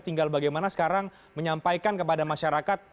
tinggal bagaimana sekarang menyampaikan kepada masyarakat